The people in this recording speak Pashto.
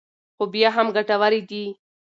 خو بیا هم ګټورې دي.